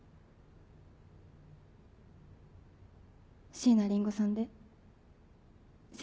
椎名林檎さんで『１７』。